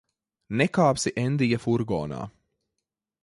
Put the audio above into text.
Nekāpsi Endija furgonā.